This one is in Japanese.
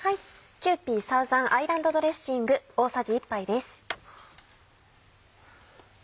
「キユーピー１０００アイランドドレッシング」大さじ１杯です。